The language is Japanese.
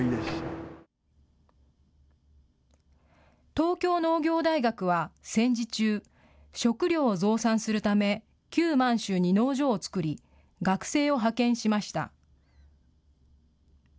東京農業大学は戦時中、食糧を増産するため旧満州に農場を作り学生を派遣しました。